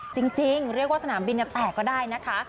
จริงเรียกว่าสนามบินแตกก็ได้นะคะ